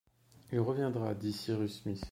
Il reviendra, dit Cyrus Smith